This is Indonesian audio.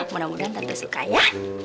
mudah mudahan tentu suka ya